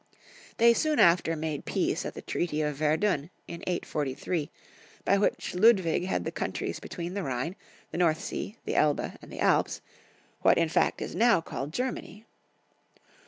They soon after made peace at the treaty of Verdun, in 843, by which Ludwig had the countries between the Rhine, the North Sea, the Elbe, and the Alps — what in fact is now called Germany.